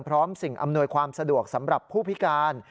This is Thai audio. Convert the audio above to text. สิ่งอำนวยความสะดวกสำหรับผู้พิการ